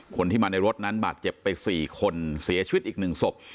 คนที่มาในรถนั้นบาดเจ็บไป๔คนเสียชีวิตอีก๑ศพ